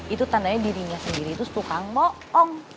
itu tandanya dirinya sendiri itu tukang bohong